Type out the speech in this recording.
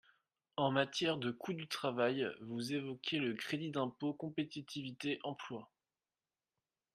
En matière de coût du travail, vous évoquez le crédit d’impôt compétitivité emploi.